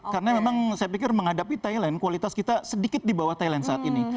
karena memang saya pikir menghadapi thailand kualitas kita sedikit di bawah thailand saat ini